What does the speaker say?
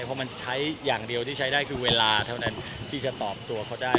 เพราะมันใช้อย่างเดียวที่ใช้ได้คือเวลาเท่านั้นที่จะตอบตัวเขาได้